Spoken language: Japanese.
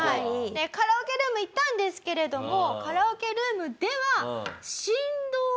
カラオケルーム行ったんですけれどもカラオケルームでは。